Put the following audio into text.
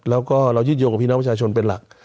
แล้วก็เรายืดโยงกับพี่น้องประชาชนเป็นหลัก